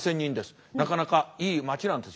なかなかいい町なんです。